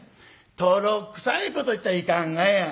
「とろくさいこと言ったらいかんがや。